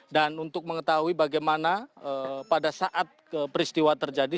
dan untuk mengetahui bagaimana pada saat peristiwa terjadi